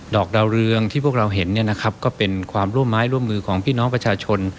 อกดาวเรืองที่พวกเราเห็นเนี่ยนะครับก็เป็นความร่วมไม้ร่วมมือของพี่น้องประชาชน